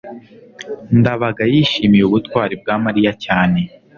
ndabaga yishimiye ubutwari bwa mariya cyane